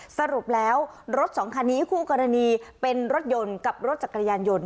สรุปแล้วรถสองคันนี้คู่กรณีเป็นรถยนต์กับรถจักรยานยนต์